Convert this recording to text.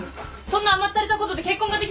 そんな甘ったれたことで結婚ができますか！